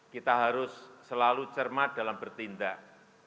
kita harus selalu cermat dalam bertindak